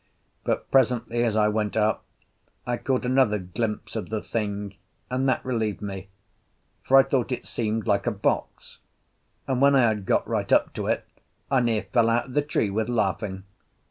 But presently, as I went up, I caught another glimpse of the thing, and that relieved me, for I thought it seemed like a box; and when I had got right up to it I near fell out of the tree with laughing.